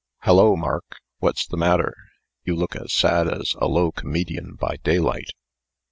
"Hallo, Mark! What's the matter? You look as sad as a low comedian by daylight!"